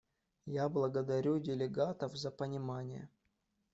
Я благодарю делегатов за понимание.